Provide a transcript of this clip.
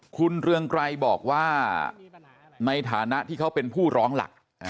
คุณเรืองไกรบอกว่าในฐานะที่เขาเป็นผู้ร้องหลัก